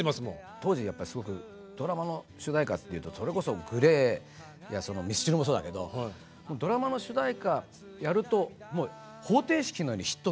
当時すごくドラマの主題歌っていうとそれこそＧＬＡＹやミスチルもそうだけどドラマの主題歌やると方程式のようにヒット曲が生まれてた。